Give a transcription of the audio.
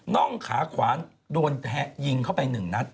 น่องขาขวานโดนแท้ยิงเข้าไปหนึ่งนัด